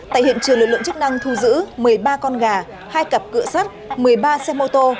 tại hiện trường lực lượng chức năng thu giữ một mươi ba con gà hai cặp cửa sắt một mươi ba xe mô tô